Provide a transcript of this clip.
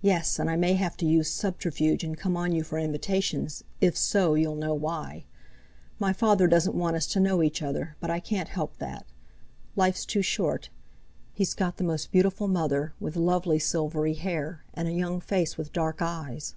Yes! and I may have to use subterfuge and come on you for invitations—if so, you'll know why! My father doesn't want us to know each other, but I can't help that. Life's too short. He's got the most beautiful mother, with lovely silvery hair and a young face with dark eyes.